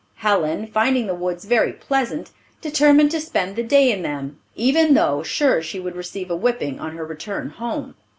Helen, finding the woods very pleasant, determined to spend the day in them, even though sure she would receive a whipping on her return home.